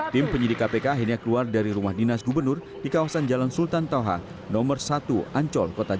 tim penyidik kpk akhirnya keluar dari rumah dinas gubernur di kawasan jalan sultan toha nomor satu ancol kota jakarta